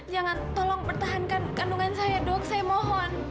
jangan tolong pertahankan kandungan saya dok saya mohon